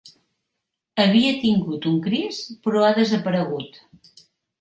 Havia tingut un Crist però ha desaparegut.